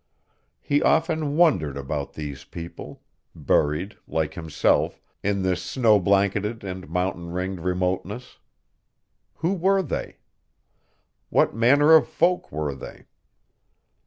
He often wondered about these people, buried, like himself, in this snow blanketed and mountain ringed remoteness. Who were they? What manner of folk were they?